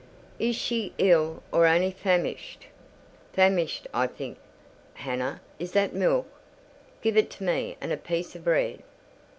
"Is she ill, or only famished?" "Famished, I think. Hannah, is that milk? Give it me, and a piece of bread."